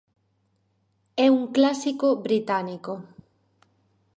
É un clásico británico.